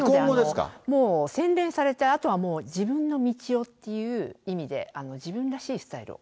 もう洗練されて、あとは自分の道をっていう意味で、自分らしいスタイルを。